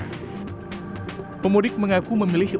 pemudik mengaku memilih untuk menyeberang ke pulau sumatera